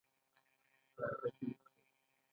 د ادبي، سیاسي او فرهنګي موضوعاتو کالمونه دي.